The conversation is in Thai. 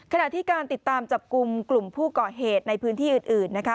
ขณะที่การติดตามจับกลุ่มกลุ่มผู้ก่อเหตุในพื้นที่อื่นนะคะ